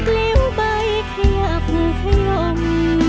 ร้องได้ให้ร้อง